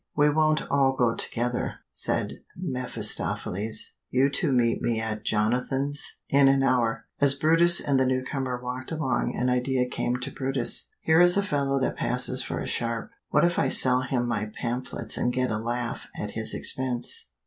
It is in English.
"We won't all go together," said mephistopheles. "You two meet me at Jonathan's ken in an hour." As brutus and the newcomer walked along an idea came to brutus. "Here is a fellow that passes for a sharp. What if I sell him my pamphlets and get a laugh at his expense.